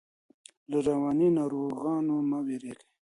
له رواني ناروغانو مه ویریږئ.